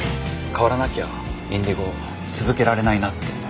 変わらなきゃＩｎｄｉｇｏ続けられないなって。